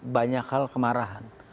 banyak hal kemarahan